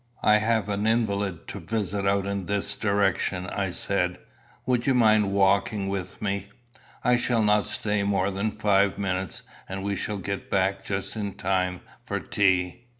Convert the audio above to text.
"I have an invalid to visit out in this direction," I said; "would you mind walking with me? I shall not stay more than five minutes, and we shall get back just in time for tea."